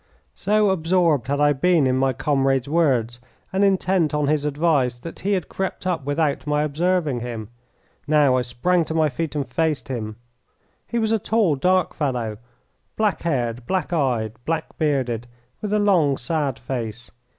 So absorbed had I been in my comrade's words and intent on his advice that he had crept up without my observing him. Now I sprang to my feet and faced him. He was a tall, dark fellow, black haired, black eyed, black bearded, with a long, sad face.